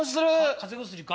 風邪薬か？